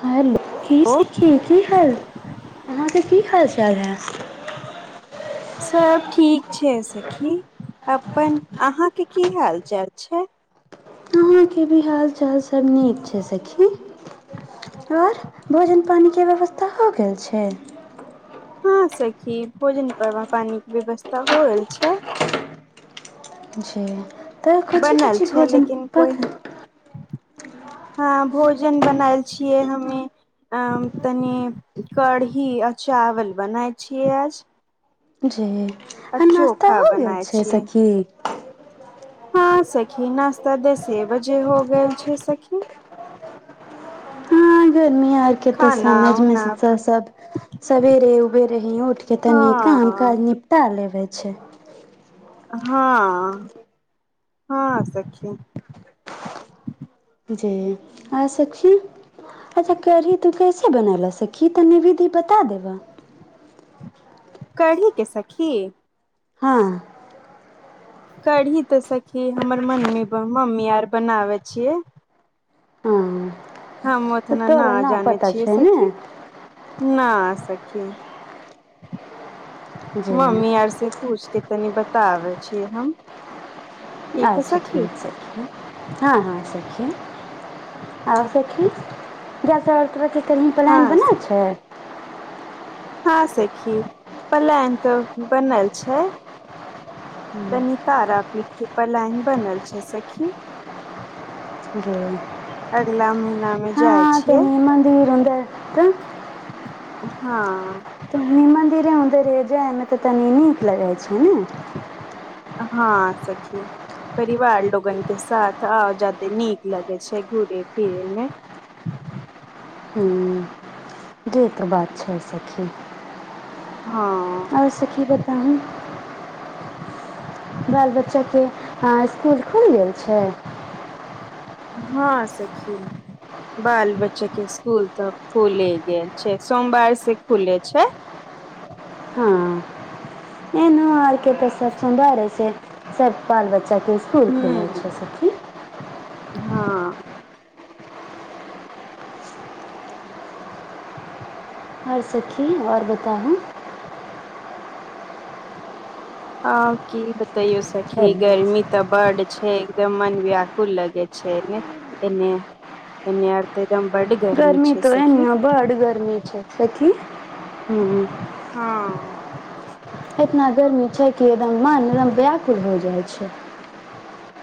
hello की ओ सखी की हाल अहाँ के कि हाल चाल है सब ठीक छै सखी अपन अहाँ के कि हाल चाल छै अहाँ के भी हाल चाल सभ निक छै सखी आ और भोजन पाइन के व्यवस्था हो गेल छै हँ सखी भोजन पवा पा्इन के व्यवस्था हो रहल छै जी तऽ कोनची बनल कोनची छै भोजन लेकिन कोइ पक हँ भोजन बनाएल छियै हमे अ तनी कढ़ी आ चावल बनाइ छियै आज जी आ नाश्ता चोखा हो गेल बनाय छै छियै सखी हँ सखी नश्ता दसे बजे हो गेलल छै सखी हँ गर्मी आर के त खाना समझ मे उना सब सवेरे उबेर ही उठ के तनिक का कामकाज हँ निपटा लेबै छै हँ हँ सखी जी आ सक छी अच्छा करही तू कैसे बनेलह सखही तऽ नि विधि बता देबह कढ़ी के सखी हँ कढ़ी तऽ सखी हमर मन मम्मी आर बनाबैत छियै हँ हम तऽ ओतना तोरो नहि न जानैय पता छियै छै ने सखी न आ सखी जे मम्मी आर से पूछके तनि बताबै छीयै हम ठीक है अच्छा सखी ठीक सख हँ हँ सखी आओर सखी जाय सब तरहके कनि प्लान बनल छै हँं सखी प्लान तऽ बनल छै कनी तारापीठ के पलान बनल छै सखी जय अगला महिना में ह तनी म दीरन्द त हँ तनी मंन्दिरे उधरे जायमे तऽ तनी नीक लगै छै ने हँ सखी परिवार लोगन के साथ आ जायदे नीक लगै छै घूरे फिरे मे ह्म्म जे त बात छै सखी हँ और सखी बताओ बाल बच्चाके इसकुल खुलि गेल छै हँ सखी बाल बच्चा के स्कुल तऽ खुले गेल छै सोमवार से खुले छै हारके प्रसव सौन्दर्य से सर् पाल्वच्च स्कुल खुलै हूँ छै सखी हँ हा सखी आओर बताबु हँ की बताैयौ सखी हेलो गर्मी तऽ बड छै एकदम मन व्यकुल लगे छैने एने अर्थ एकदम बड्ड गर्मी छै तो सखी एन्ने हुँ हुँम्म हँ छै कि एकदम मन एकदम व्याकुल हो जाइ छै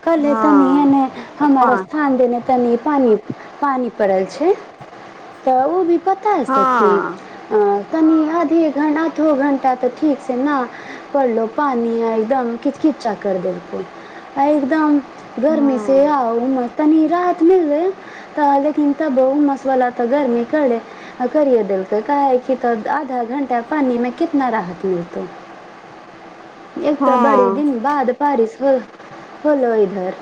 कल तनी ए हँ ने त हमारा पान स्थान देने तनी पानि पानि पड़ल छै तऽ ओ भी बता सखी हँ तनि आधे घटा अधो घण्टा तऽ ठीक से पड़लौ पानी एकदम किजकिचा कर देल कउ एकदम गर्मी से हूँ आओर मन तनी राहत मिलै तऽहलेकिन त तबो उमस वला तऽ गरमी क करिय देलकौ कहे कि क तब आधा घंटा पानी में कितना राहत मिल एक तऽ बड़ी हँ दिन बाद बारिश फल लो इधर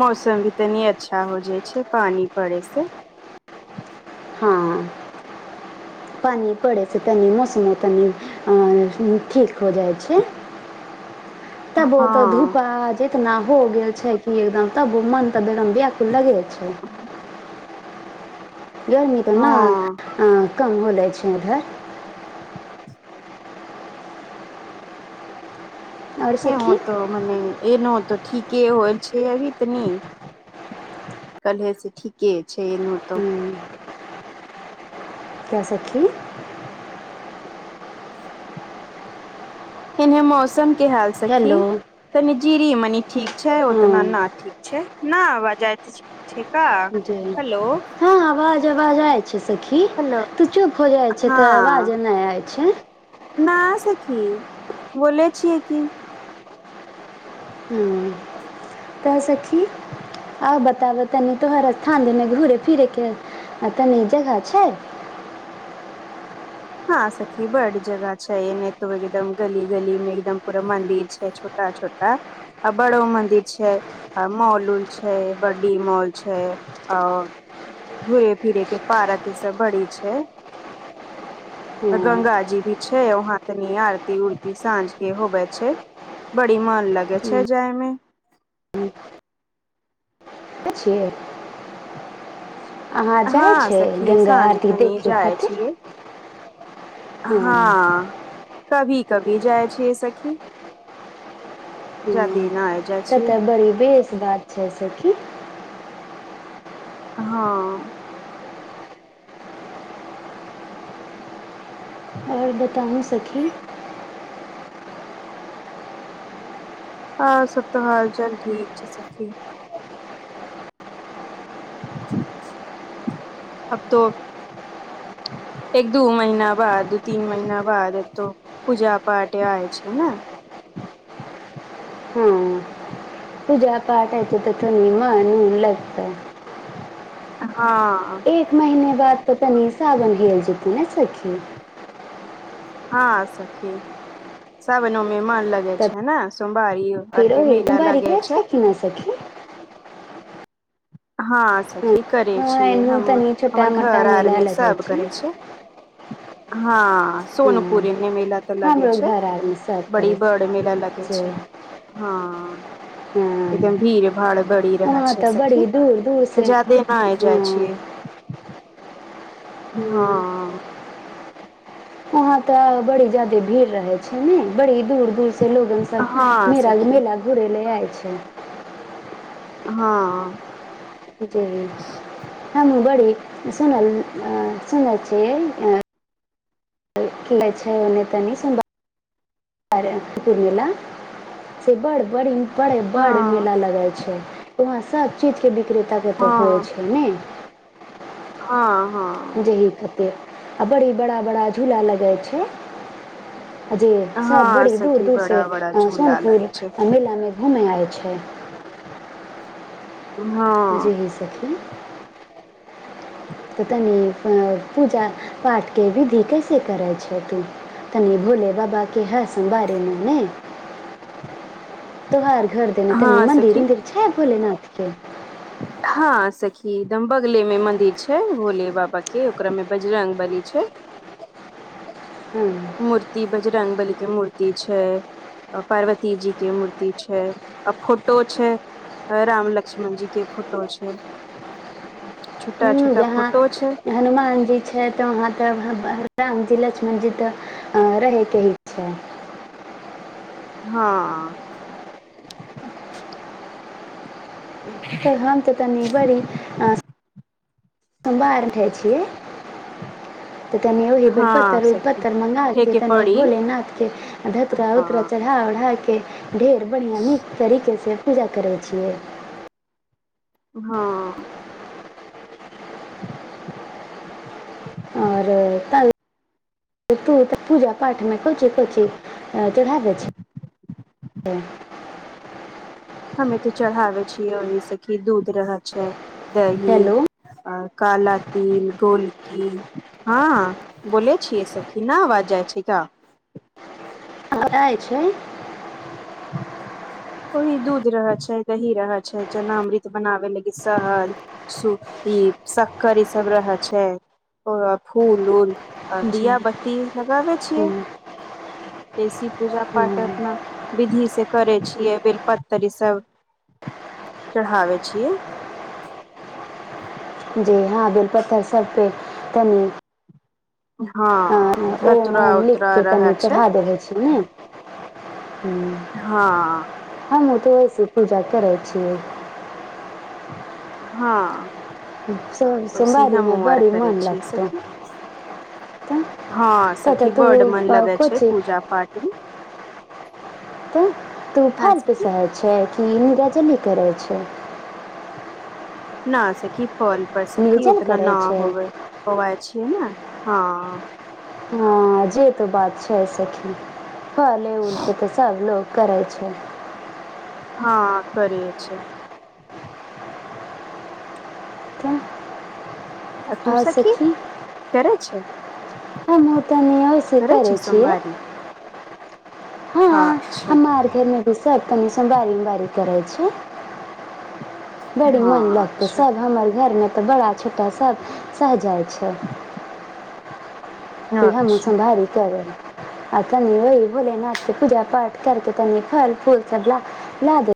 मौसम भी तनी अच्छा हो जाइ छै पानि पड़यसँ हँ पानि पड़ै छै तनि मौसममे तनि ठीक हो जाइ छै त बो तऽ हँ धूपा जे इतना हो गेल छै कि एकदम तब मन तऽ बरम वाकु लगे छै गर्मी तऽ हँ ने कम हो जाइ छै उधर आओर ऐं हुँ सखी त मने एनो त ठीके होय छै अनि तनी तबियत ठीके छै एनहों क्याअ सखी इहे मौसम के हाल सखी हेलो तनी जीरी मनी ठीक छै उतना ना हँ ठीक छै न आवाजइ त हँ आवाज आ आवाजइ छै सखी हेलो तऽ चुप हो जाइ छै हँ तऽ आवाज नहि आइ छै न सखी बोल छिय की हुँ तऽ सखी आ बताबै तनि तोहर स्थान देने घूुरे फिरे के आ तऽनि जगह छै हँ सखी बड जगह छै ने तो एकदम गली गली मे एकदम पूरा मंदिर छै छोटा छ छोटा बड़ो मन्दिर छै मॉलूल छै बड्डी मॉल छै आओर घूरे फिरे के पारक ईसभ बड़ी छै हँ गंगा जी भी छैहाँतनी आरती उरती सााँझ के होबै छै बड़ी मन लगै छै जायमे ह छिय अहाँ हँ जाइ छै सखी गङ्गा साँझ आरती खनी देखै जाय खातिर छियै हँ कभी कभी जाइ छिय सखी हँ जदि तऽ तऽ बड़ी बेस बात छै सखी हँ आओर बताउ सखी हँ सबत तऽ हाल चाल ठीक छै सी अब तो [inaudible] एक दू महिना बाद तीन महिना बाद त पूजा पाठ आय छै ने हँ पूजा पाठइ छै तऽ ती मनन लगत हँ बात पर कनि सगन भेल जीति नहि सखी हँ सखी सााबनो ओमे म अलगे तऽ छै ह स बारी फेर आरके ओही मला तुम्हारी लागे करे छै कि ना सखी हँ सखी करे हँ छियै एनहु हम तनी हमर छोटा मोटा घर आर मेला मे लगै सब करे छै हँ हँ सोनपुरी ने मेला तऽ लगे हमरो छै घर आरमे सब करै बड़ीबड़ छै मेला लगे से छै हँ हँ एकदम भीड़ भाड़ बढ़ि रहय वहाँ छै तऽ बड़ी दूर दूर तऽ से जादे नहि आइ हँ जाइ छियै हँ वहाँ तऽ बड़ी जादे भीड़ रहे छै ने बड़ी दूर दूरसँ लोगन हँ सबेला सखी मेला घुरै लए आइ छै हँ जी हमू बड़ी सुनल सुनै छ कै छै ओ नहि तनी समभ कुपुर मेला से बड़ बड़ी बड़ बड़ हँ मेला लगल छै वहाँ सभचीजके विक्रेतााके तऽ होइ हँ छै ने हँ हँ जेह खतिर आ बड़ी बड़ा बड़ा झूला लगै छै जी सब हँ बड़ी दूर सखी दूर से बड़ा बड़ा झूला लगे सोनपुर छै मेल में घूमेै आएे छै जे हँ होइ छथिन त तनी पूजा पाठ के विधि कैसे करै छै तू तनी भोले बाबाे हँ सं् बारे नने त्यौहार घर दे ने तनी हँ सखी मन्दिर हर पछ ह भोलेनााथके हँ सखी दम बगले में मंदिर छै भोले बाबा के ओकरा में बजरंग बली छै हू ती बज रंगबल के मूर्ति छै पार्वती जी के मूर्ति छै आ फोटो छै राम लक्ष्मण जी के फोटो छै [inaudible] छोटा छोटा जहाँ फोटो छै हनुमान जी छै तऽ वहाँ तऽराम लक्ष्मणजि त रहैके ही छै हँ तऽ हम हम तऽ तनि बड़ी सबा आरटचिय तऽ कनि ओही हँ बेलपत्तर उल सखी पत्तर मँगाके ठेके तनि पड़ी भोलेनााथके धतरा उतरा हँ चढ़ा बढ़ाक ढेर बढ़िआँ नीक तरीके से पूजा करै छियै हँ [inaudible] आओर तब तू तऽ पूजा पाठमे कोची कोची चढ़ा जा छै हमे तऽ चढ़ाबे छियै ओहि सी दूध रह छै दही हेलो काला तिल गोलकिल हँ बोले छियै से किीना आवाज जाय छै ग ा आ छै ओहि दूध रहै छै दही रहै छै जेनामृत बनाबे लागी सहद स ई शक्कर ई सब रहै छै ओ फूल उल आ जी दीिया बत्ती लगाबै छियै हँ, देसी पूजा पाठ हँ, अपना विधि से करै छियै बेलपत्तरिस चढ़ावावे छीए जी हँ बेल पतथर सब पे तनी हँ ह ओम धतुरा ओम उतरा लिखतो रहे पेनी छै चढ़ा देबे छ ने ह हँ हँ तऽहिस पूजा करै छियै हँ सो- ओसीए हमँ सोमवारीमे आर बड़ी करै मन छियै लगतौ सखी तऽ हँ तऽ तऽ सखी तू बड मन अ, लगे छै कोची पूजा पाठमे त तू आय सखी फालतूसहर छै कि निराजनी करै छै न सकी फल पर सकी निर्जल उतना न करै छै होब होव हँ हँ जे त बात छै सखी भले उलके तऽ सब लोक करै छै हँ करे छै त आ तू सखी करे छै आ हम तनी ओइस करै करे छै छियै सोमवारी हँ अच्छा हम घर मे भीस तनि सोमवारी उम बारी करै छै बड़ी मोन हँ लगतै अच्छा सब हमर घर में तऽ बड़ा छोटा सभ सहजइत अच्छा कि हमहूँ अच्छा सोमवारी कएलेलौं आ तनी वहि भोले नाथके पूजा पाठ करके तनी फल फूल सब ल ला दे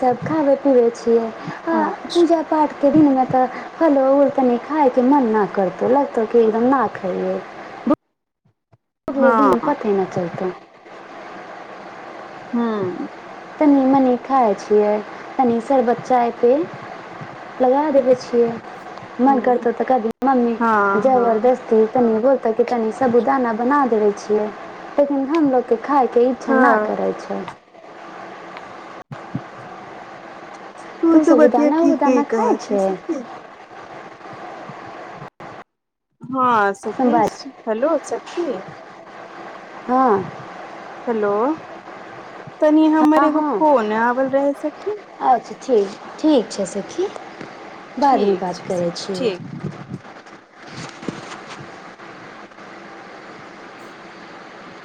सब खाबै पिबैइ छियै आ अच्छा पूजा पाठके दिनमें तऽ फ तनी खायके मन ना करतौ लगतौ क एकदम न खइअइ अगले दिन हँ पते न चलतै हूंअ् तनि मनी खाइ छियै तनी सरबत चाय पे लगा देबै छियै मन हूँ करतौ तऽ कभी मम्मी हँ हँ जबरदस्ती तनी बोलतौ कि तनी सबूदाना बना देबौ छियै लेकिन हमलोगके खायके इच्छा ना हँ करैइ छैइ [inaudible] तू तऽ बतिया साबूदाना ठीक उबूदाना कह खाइ छ छै ठीके हां सखी सोमवारी हेलो सखी हँअ् हेलो तनि हमर हँ एगो हँ फोन आवल रहे सखि अच्छा ठीक ठीक छैइ सखी बादमें ठीक बात छै करै सखी छियै ठीक